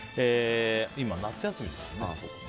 今、夏休みですからね。